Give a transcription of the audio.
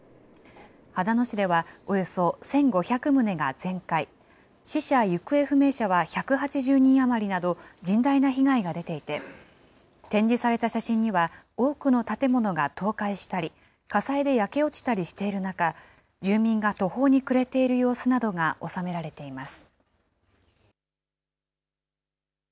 秦野市ではおよそ１５００棟が全壊、死者・行方不明者は１８０人余りなど甚大な被害が出ていて、展示された写真には、多くの建物が倒壊したり、火災で焼け落ちたりしている中、住民が途方に暮れている様子などが収められています。